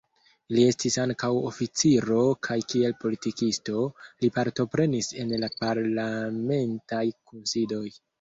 Li estis ankaŭ oficiro kaj kiel politikisto, li partoprenis en la parlamentaj kunsidoj.